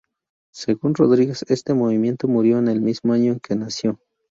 Según Rodríguez, este movimiento murió el mismo año en que nació.